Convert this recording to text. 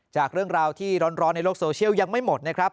จากเรื่องราวที่ร้อนในโลกโซเชียลยังไม่หมดนะครับ